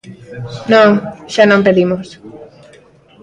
Non, xa non pedimos.